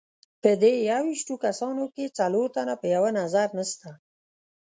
په دې یوویشتو کسانو کې څلور تنه په یوه نظر نسته.